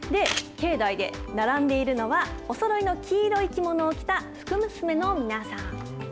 境内で並んでいるのは、おそろいの黄色い着物を着た、福娘の皆さん。